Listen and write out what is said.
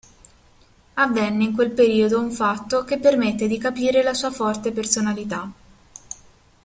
Avvenne in quel periodo un fatto che permette di capire la sua forte personalità.